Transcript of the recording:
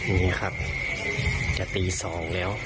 นี่ครับจะตี๒แล้ว